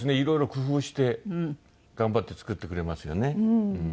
色々工夫して頑張って作ってくれますよね。